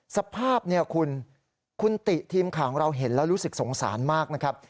สภาพเนี่ยคุณคุณติทีมข่าวของเราเห็นแล้วรู้สึกสงสารมากนะครับ